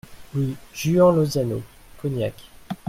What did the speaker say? Rue Juan Lozano, Cognac